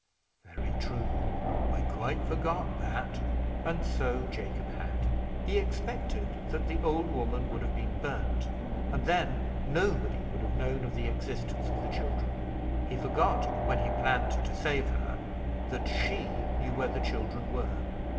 "Very true; I quite forgot that." And so Jacob had. He expected that the old woman would have been burned, and then nobody would have known of the existence of the children; he forgot, when he planned to save her, that she knew where the children were.